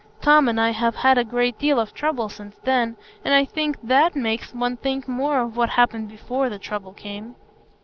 Tom and I have had a great deal of trouble since then, and I think that makes one think more of what happened before the trouble came."